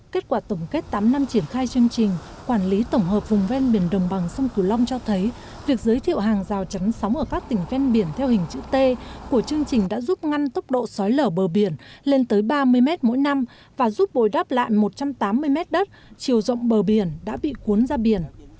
kết quả tổng kết tám năm triển khai chương trình quản lý tổng hợp vùng ven biển đồng bằng sông cửu long cho thấy việc giới thiệu hàng rào chắn sóng ở các tỉnh ven biển theo hình chữ t của chương trình đã giúp ngăn tốc độ xói lở bờ biển lên tới ba mươi mét mỗi năm và giúp bồi đắp lại một trăm tám mươi mét đất chiều rộng bờ biển đã bị cuốn ra biển